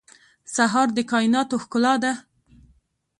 سهار د کایناتو ښکلا ده.